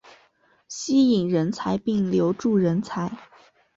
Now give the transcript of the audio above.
吸引人才并留住人才